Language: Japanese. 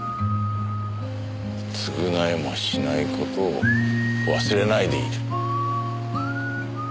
償えもしない事を忘れないでいる。